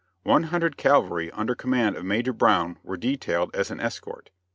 One hundred cavalry under command of Major Brown were detailed as an escort.